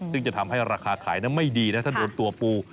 ซึ่งจะทำให้ราคาขายไม่ดีนะถ้าโดนตัวปู